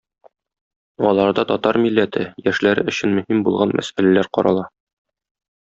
Аларда татар милләте, яшьләре өчен мөһим булган мәсьәләләр карала.